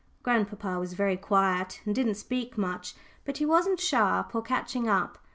Grandpapa was very quiet, and didn't speak much; but he wasn't sharp or catching up.